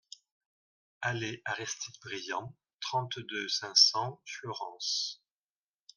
Allées Aristide Briand, trente-deux, cinq cents Fleurance